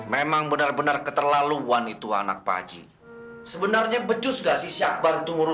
memang benar benar keterlaluan itu anak pak haji sebenarnya becus gak sih syakban tunggu